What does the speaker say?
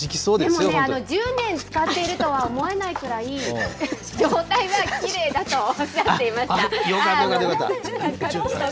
でもね、１０年使っているとは思えないくらい状態がきれいだよかった、よかった。